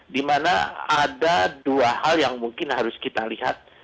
di mana ada dua hal yang mungkin harus kita lihat